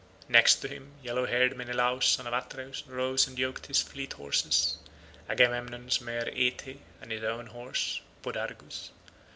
Next to him, yellow haired Menelaus son of Atreus rose and yoked his fleet horses, Agamemnon's mare Aethe, and his own horse Podargus.